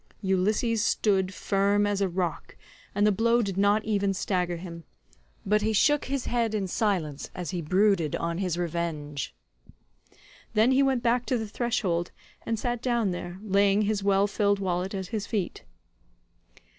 Ulysses stood firm as a rock and the blow did not even stagger him, but he shook his head in silence as he brooded on his revenge. Then he went back to the threshold and sat down there, laying his well filled wallet at his feet.